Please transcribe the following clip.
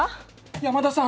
山田さん